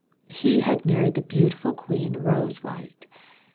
He had married the beautiful Queen Rosewhite.